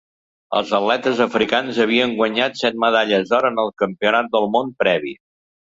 Els atletes africans havien guanyat set medalles d'or en el Campionat del Món previ.